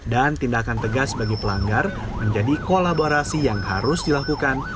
dan tindakan tegas bagi pelanggar menjadi kolaborasi yang harus dilakukan